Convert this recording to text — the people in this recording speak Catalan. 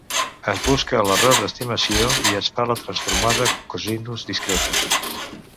Es busca l'error d'estimació i es fa la Transformada Cosinus Discreta.